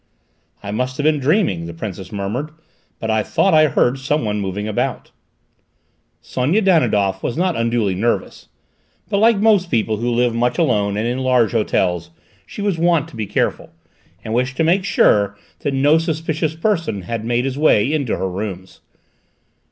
"I must have been dreaming," the Princess murmured, "but I thought I heard someone moving about." Sonia Danidoff was not unduly nervous, but like most people who live much alone and in large hotels, she was wont to be careful, and wished to make sure that no suspicious person had made his way into her rooms.